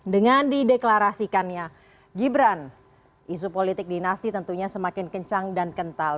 dengan dideklarasikannya gibran isu politik dinasti tentunya semakin kencang dan kental